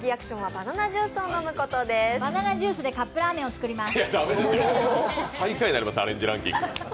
バナナジュースでカップラーメン作ります。